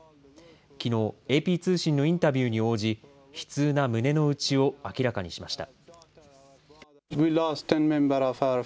きのう、ＡＰ通信のインタビューに応じ、悲痛な胸の内を明らかにしました。